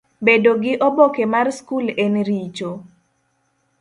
Bedo gi oboke mar skul en richo?